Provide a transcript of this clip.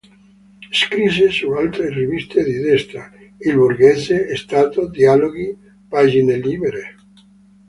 Scrisse su altre riviste di destra: "Il Borghese", "Stato", "Dialoghi", "Pagine Libere".